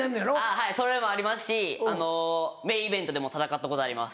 はいそれもありますしあのメインイベントでも戦ったことあります。